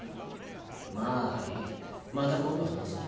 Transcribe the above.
まあいいまた今度話そう。